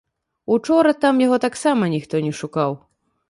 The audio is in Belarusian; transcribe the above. Учора там яго таксама ніхто не шукаў.